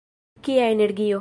Kia energio!